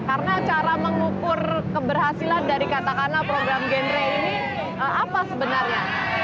karena cara mengukur keberhasilan dari katakanlah program genre ini apa sebenarnya